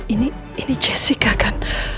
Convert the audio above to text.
ini ini jessica kan